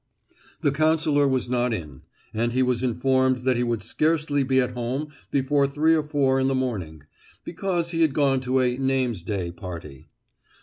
The councillor was not in; and he was informed that he would scarcely be at home before three or four in the morning, because he had gone to a "name's day party."